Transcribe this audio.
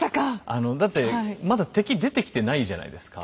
あのだってまだ敵出てきてないじゃないですか。